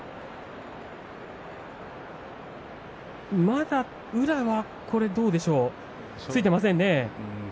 まだ宇良はどうでしょうかついていませんね。